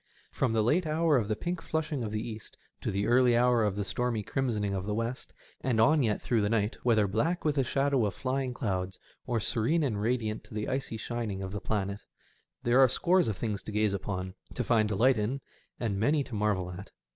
From the late hour of the pink flashing of the east to the early hour of the stormy crimsoning of the west, and on yet through the night, whether black with the shadow of flying cloudtf or serene and radiant to the icy shining of the planet, there are scores of things to gaze upon, to find delight in, and many to marvel at.